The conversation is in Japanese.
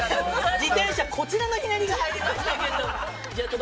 こちらのひねりが入りましたけど。